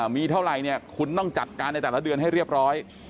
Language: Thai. มีเท่าไหร่เนี่ยคุณต้องจัดการในแต่ละเดือนให้เรียบร้อย